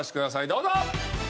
どうぞ！